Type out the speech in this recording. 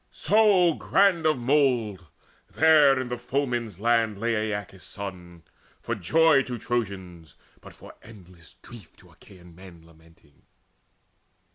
So grand of mould There in the foemen's land lay Aeacus' son, For joy to Trojans, but for endless grief To Achaean men lamenting.